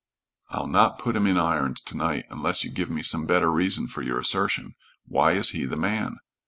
"I'll not put him in irons to night unless you give me some better reason for your assertion. Why is he the man?"